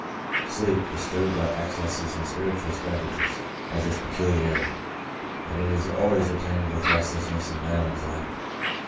Sleep, disturbed by excesses in spirituous beverages, has this peculiarity, that it is always attended with restlessness and mental anxiety.